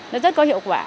nó rất có hiệu quả